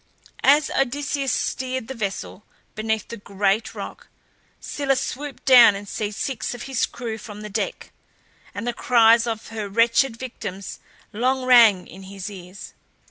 As Odysseus steered the vessel beneath the great rock, Scylla swooped down and seized six of his crew from the deck, and the cries of her wretched victims long rang in his ears.